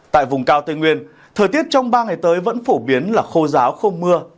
tại vùng cao tây nguyên thời tiết trong ba ngày tới vẫn phổ biến là khô giáo không mưa